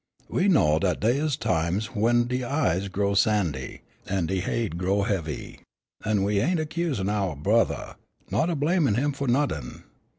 We know dat dey is times w'en de eyes grow sandy, an' de haid grow heavy, an' we ain't accusin' ouah brothah, nor a blamin' him fu' noddin'.